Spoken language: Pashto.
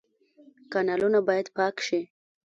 کانالونه باید پاک شي